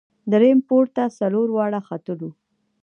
درییم پوړ ته څلور واړه ختلو.